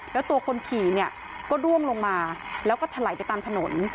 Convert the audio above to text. แล้วตัวคนขี่เนี่ยก็ร่วงลงมาแล้วก็ถลายไปตามถนน